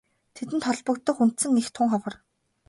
Тэдэнд холбогдох үндсэн эх тун ховор.